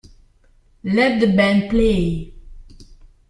Let the Band Play!